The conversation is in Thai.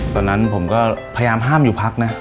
ตอนนั้นผมก็พยายามห้ามอยู่พักนะ